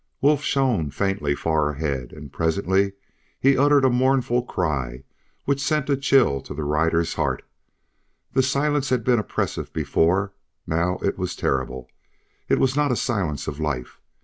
Wolf shone faintly far ahead, and presently he uttered a mournful cry which sent a chill to the rider's heart. The silence had been oppressive before; now it was terrible. It was not a silence of life.